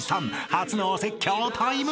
［初のお説教タイム］